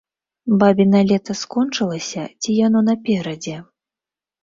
Бабіна лета скончылася ці яно наперадзе?